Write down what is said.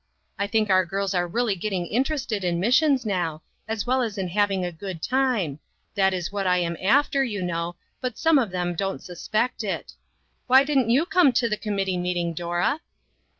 I think our girls are really getting interested in missions now, as well as in having a good time . that is what I am after, you know, but some of them don't suspect it. Why didn't you come to the committee meeting, Dora